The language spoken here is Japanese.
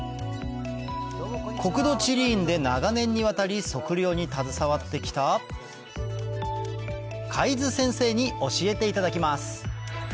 国土地理院で長年にわたり測量に携わってきた海津先生に教えていただきます